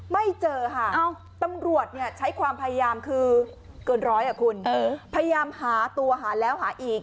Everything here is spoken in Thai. ไม่เจอค่ะตำรวจใช้ความพยายามคือเกินร้อยอ่ะคุณพยายามหาตัวหาแล้วหาอีก